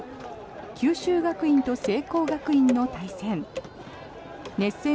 九州学院と聖光学院の対戦。